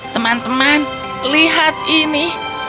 teman teman lihat ini